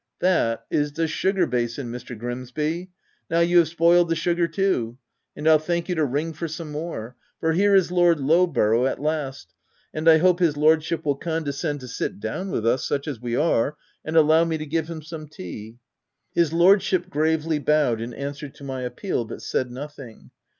"That is the sugar basin, Mr. Grimsby. Now you have spoiled the sugar too ; and I'll thank you to ring for some more — for here is Lord Lowborough, at last ; and I hope his lordship will condescend to sit down with us, such as we are, and allow me to give him some tea." His lordship gravely bowed in answer to my appeal, but said nothing.